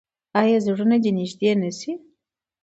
آیا زړونه دې نږدې نشي؟